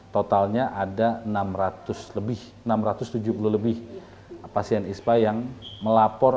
totalnya ada enam ratus lebih enam ratus tujuh puluh lebih pasien ispa yang melapor